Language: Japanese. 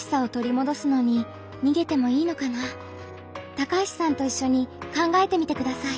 高橋さんといっしょに考えてみてください。